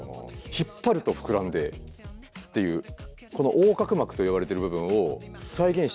引っ張ると膨らんでっていうこの横隔膜といわれてる部分を再現したやつがあって。